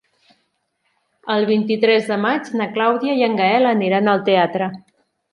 El vint-i-tres de maig na Clàudia i en Gaël aniran al teatre.